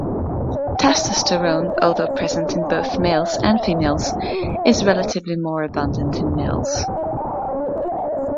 Testosterone, although present in both males and females, is relatively more abundant in males.